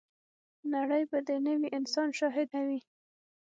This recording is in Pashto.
نړۍ به د نوي انسان شاهده وي.